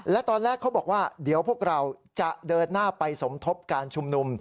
และตอนแรกเขาบอกว่าเดี๋ยวพวกเราจะเดินหน้าไปสมทบการชุมนุม